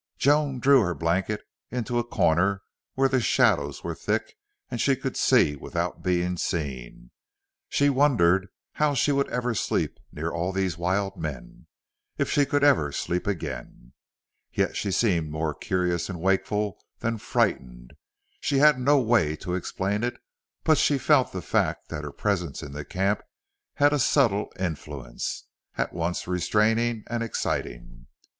Joan drew her blankets into a corner where the shadows were thick and she could see without being seen. She wondered how she would ever sleep near all these wild men if she could ever sleep again. Yet she seemed more curious and wakeful than frightened. She had no way to explain it, but she felt the fact that her presence in the camp had a subtle influence, at once restraining and exciting.